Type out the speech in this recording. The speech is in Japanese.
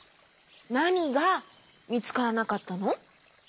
なにがみつからなかったの？